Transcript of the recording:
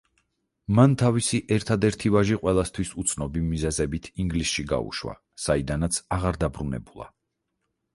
მან თავისი ერთადერთი ვაჟი, ყველასათვის უცნობი მიზეზებით ინგლისში გაუშვა, საიდანაც აღარ დაბრუნებულა.